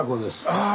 ああ！